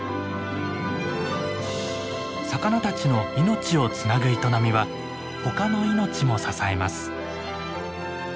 魚たちの命をつなぐ営みは他の命も支えます。